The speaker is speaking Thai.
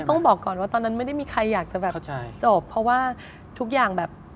ต้องบอกก่อนว่าตอนนั้นไม่ได้มีใครอยากจะแบบจบเพราะว่าทุกอย่างแบบ